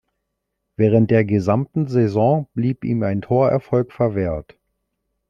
Während der gesamten Saison blieb ihm ein Torerfolg verwehrt.